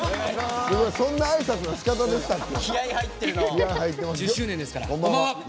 そんなあいさつのしかたでしたっけ。